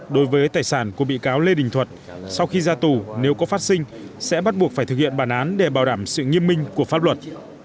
đối với tài sản của bị cáo lê đình thuật sau khi ra tù nếu có phát sinh sẽ bắt buộc phải thực hiện bản án để bảo đảm sự nghiêm minh của pháp luật